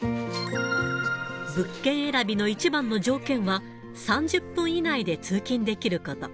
物件選びの一番の条件は、３０分以内で通勤できること。